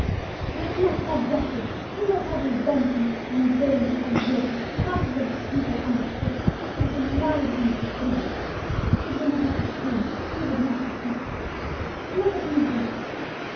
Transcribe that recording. "We must have justice, we must have revenge on a villain who for years has trampled the people under foot as the mire in the streets! Did ye know half his crimes, ye would not protect him. Look at me, señor!"